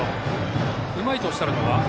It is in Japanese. うまいとおっしゃるのは？